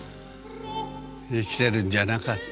生きてるんじゃなかった。